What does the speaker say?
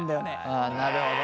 ああなるほどね。